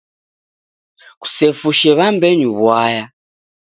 Kusefushe w'ambenyu w'uaya.